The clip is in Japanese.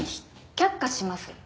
却下します。